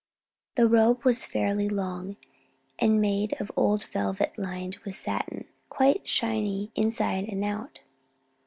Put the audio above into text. The robe was fairly long, and made of old velvet lined with satin, quite shiny inside and out.